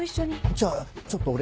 じゃあちょっと俺。